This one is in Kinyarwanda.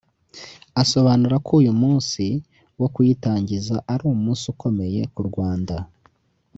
asobanura ko uyu munsi wo kuyitangiza ari umunsi ukomeye ku Rwanda